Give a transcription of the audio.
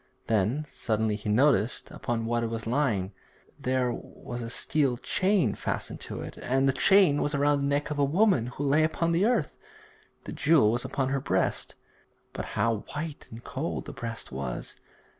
Then suddenly he noticed upon what it was lying. There was a steel chain fastened to it, and the chain was around the neck of a woman who lay upon the earth; the jewel was upon her breast. But how white and cold the breast was!